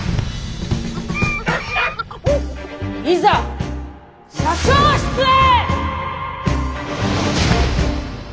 いざ社長室へ！